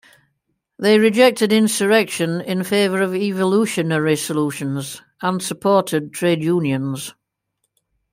They rejected insurrection in favor of evolutionary solutions, and supported trade unions.